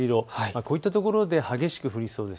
こういったところで激しく降りそうです。